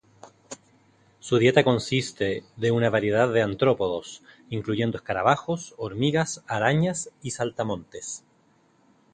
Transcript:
Su dieta consiste de una variedad de artrópodos, incluyendo escarabajos, hormigas, arañas y saltamontes.